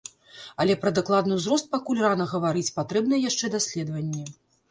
Але пра дакладны ўзрост пакуль рана гаварыць, патрэбныя яшчэ даследаванні.